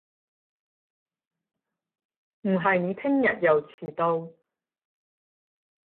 唔係你聽日又遲到